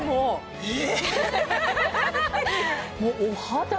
え！